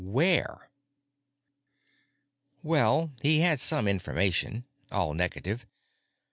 Where? Well, he had some information. All negative.